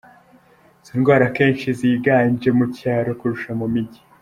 Izo ndwara akenshi ziganje mu cyaro kurusha mu mijyi.